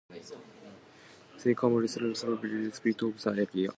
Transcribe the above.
They came to represent the bohemian spirit of the area.